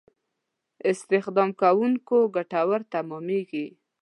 استخداموونکو ګټور تمامېږي.